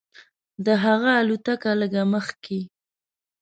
د هغه الوتکه لږ مخکې.